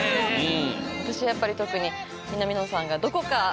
私やっぱり特に南野さんがどこか感じ